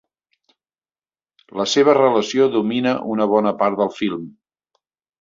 La seva relació domina una bona part del film.